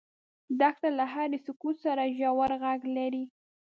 دښته له هرې سکوت سره ژور غږ لري.